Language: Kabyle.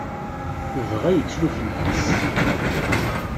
Dɣa yettru fell-as.